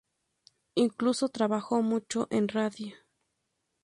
Incluso trabajó mucho en radio.